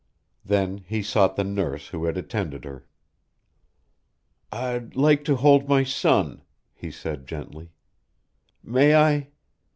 Then he sought the nurse who had attended her. "I'd like to hold my son," he said gently. "May I?"